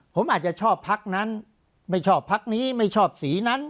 ผมอาจจะชอบพักนั้นไม่ชอบพักนี้ไม่ชอบสีนั้น